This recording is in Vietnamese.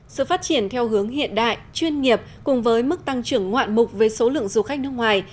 sự phát triển theo hướng hiện đại chuyên nghiệp cùng với mức tăng trưởng ngoạn mục với số lượng du khách nước ngoài